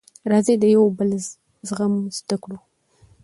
راځی د یوبل زغمل زده کړو